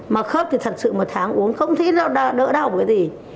mà khớp thì thật sự một tháng uống không thấy nó đỡ đau cái gì